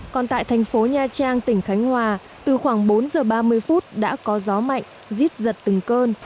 còn tại thành phố nha trang tỉnh khánh hòa từ khoảng bốn giờ ba mươi phút đã có gió mạnh giết giật từng cơn